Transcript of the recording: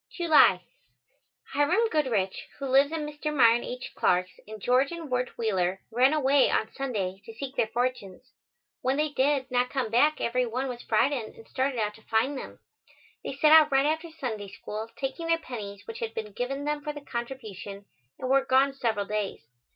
July. Hiram Goodrich, who lives at Mr. Myron H. Clark's, and George and Wirt Wheeler ran away on Sunday to seek their fortunes. When they did not come back every one was frightened and started out to find them. They set out right after Sunday School, taking their pennies which had been given them for the contribution, and were gone several days.